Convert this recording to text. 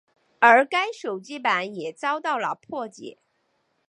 而该手机版也遭到了破解。